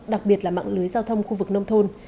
đặc biệt là mạng lưới giao thông khu vực nông thôn